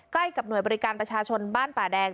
ใกล้กับหน่วยบริการประชาชนบ้านป่าแดง